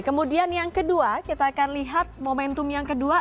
kemudian yang kedua kita akan lihat momentum yang kedua